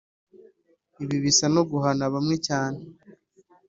“Ibi bisa no guhana bamwe cyane